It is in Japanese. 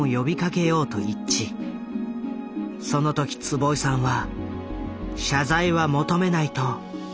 その時坪井さんは謝罪は求めないと自分で決めた。